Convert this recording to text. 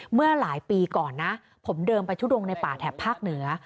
เมื่อหลายปีก่อนนะผมเดินไปทุดงในป่าแถบภาคเหนือ